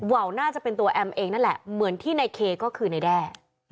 ว่าวน่าจะเป็นตัวแอมเองนั่นแหละเหมือนที่ในเคก็คือในแด้